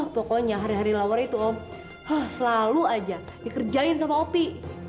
pokoknya hari hari lower itu om selalu aja dikerjain sama opi